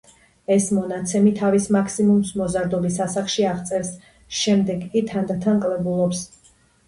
ეს მონაცემი თავის მაქსიმუმს მოზარდობის ასაკში აღწევს, შემდეგ კი თანდათან კლებულობს.